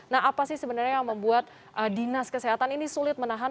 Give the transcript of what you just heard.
nah apa sih sebenarnya yang membuat dinas kesehatan ini sulit menahan